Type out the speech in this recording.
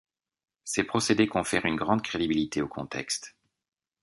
Ces procédés confèrent une grande crédibilité au contexte.